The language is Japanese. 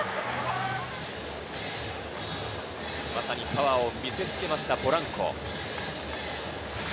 パワーを見せ付けました、ポランコ。